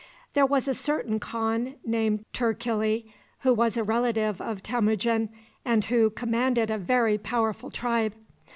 There was a certain khan, named Turkili, who was a relative of Temujin, and who commanded a very powerful tribe.